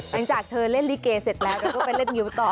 หลังจากเธอเล่นลิเกเสร็จแล้วเธอก็ไปเล่นงิ้วต่อ